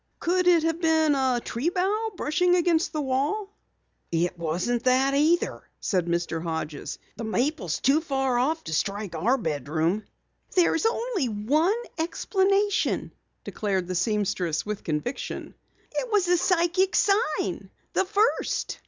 "Could it have been a tree bough brushing against the wall?" "It wasn't that," said Mr. Hodges. "The maple is too far off to strike our bedroom." "There's only one explanation," declared the seamstress with conviction. "It was a psychic sign the first."